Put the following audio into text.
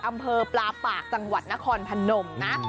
อำเภอปลาปากจังหวัดนครพนมนะ